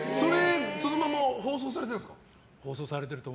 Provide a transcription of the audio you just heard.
そのまま放送されているんですか？